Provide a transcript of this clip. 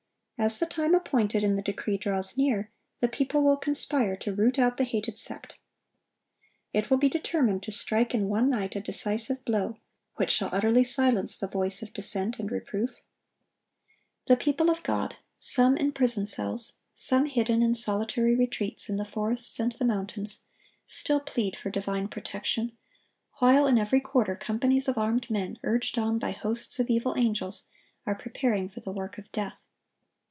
As the time appointed in the decree draws near, the people will conspire to root out the hated sect. It will be determined to strike in one night a decisive blow, which shall utterly silence the voice of dissent and reproof. The people of God—some in prison cells, some hidden in solitary retreats in the forests and the mountains—still plead for divine protection, while in every quarter companies of armed men, urged on by hosts of evil angels, are preparing for the work of death.